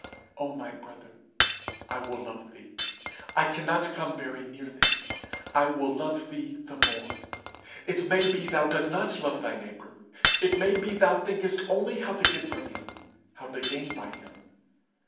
Oh, my brother! I will love thee. I cannot come very near thee: I will love thee the more. It may be thou dost not love thy neighbour; it may be thou thinkest only how to get from him, how to gain by him.